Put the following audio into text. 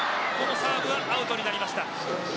サーブはアウトになりました。